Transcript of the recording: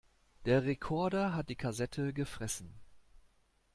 Der Rekorder hat die Kassette gefressen.